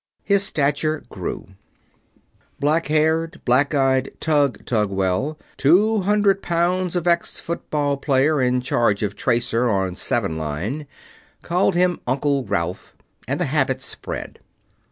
His stature grew. Black haired, black eyed "Tug" Tugwell, two hundred pounds of ex football player in charge of tracer on the Seven Line, called him "Uncle" Ralph, and the habit spread.